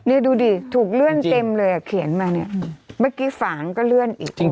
นี่ดูดิถูกเลื่อนเต็มเลยอ่ะเขียนมาเนี่ยเมื่อกี้ฝางก็เลื่อนอีก